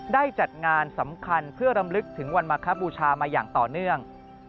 จัดงานสำคัญเพื่อรำลึกถึงวันมาคบูชามาอย่างต่อเนื่อง